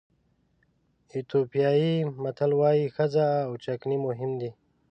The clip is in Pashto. ایتیوپیایي متل وایي ښځه او چکنۍ مهم دي.